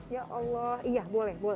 ya boleh boleh